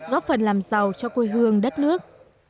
góp phần làm giàu cho quê hương đất nước